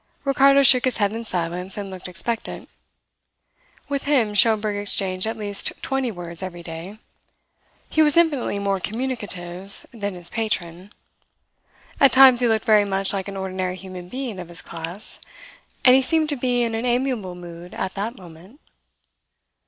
Ricardo shook his head in silence and looked expectant. With him Schomberg exchanged at least twenty words every day. He was infinitely more communicative than his patron. At times he looked very much like an ordinary human being of his class; and he seemed to be in an amiable mood at that moment.